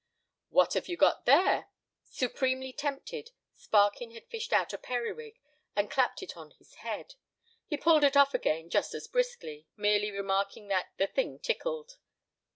"What have you got there?" Supremely tempted, Sparkin had fished out a periwig and clapped it on his head. He pulled it off again just as briskly, merely remarking that "the thing tickled."